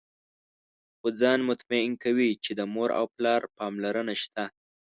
خو ځان مطمئن کوي چې د مور او پلار پاملرنه شته.